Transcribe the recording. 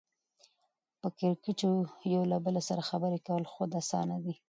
په کېړکیچو یو له بله سره خبرې کول خود اسانه دي